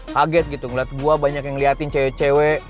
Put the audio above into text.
kaget gitu ngeliat gue banyak yang ngeliatin cewek cewek